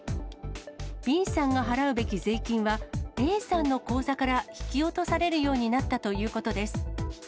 Ｂさんが払うべき税金は、Ａさんの口座から引き落とされるようになったということです。